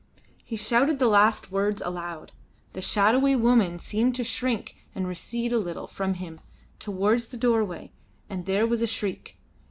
He shouted the last words aloud. The shadowy woman seemed to shrink and recede a little from him towards the doorway, and there was a shriek.